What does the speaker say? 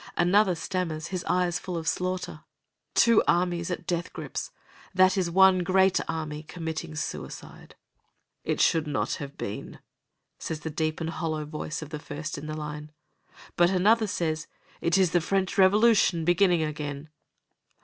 Another stammers, his eyes full of slaughter, "Two armies at death grips that is one great army committing suicide." "It should not have been," says the deep and hollow voice of the first in the line. But another says, "It is the French Revolution beginning again."